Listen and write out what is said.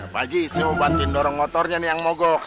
pak haji saya mau bantuin dorong motornya nih yang mogok